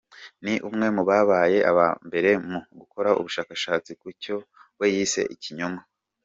Ni umwe mu babaye aba mbere mu gukora ubushakashatsi ku cyo we yise ikinyoma.